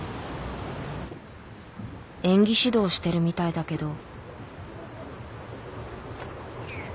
演技指導してるみたいだけど。